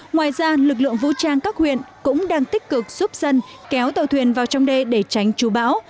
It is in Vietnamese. ngoài ra lực lượng vũ trang các huyện cũng đang tích cực giúp dân kéo tàu thuyền vào trong đê để tránh chú bão